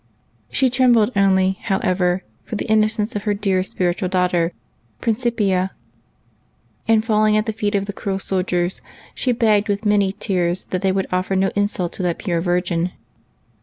She trembled only, however, for the innocence of her dear spiritual daughter, Principia, and falling at the feet of the druel soldiers, she begged with many tears that they would offer no insult to that pure virgin.